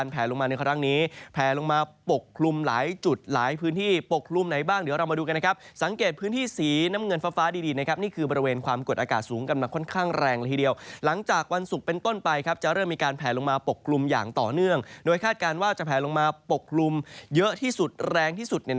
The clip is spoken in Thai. แผลลงมาในครั้งนี้แผลลงมาปกคลุมหลายจุดหลายพื้นที่ปกคลุมไหนบ้างเดี๋ยวเรามาดูกันนะครับสังเกตพื้นที่สีน้ำเงินฟ้าดีนะครับนี่คือบริเวณความกดอากาศสูงกำลังค่อนข้างแรงละทีเดียวหลังจากวันศุกร์เป็นต้นไปครับจะเริ่มมีการแผลลงมาปกกลุ่มอย่างต่อเนื่องโดยคาดการณ์ว่าจะแผลลงมาปกคลุมเยอะที่สุดแรงที่สุด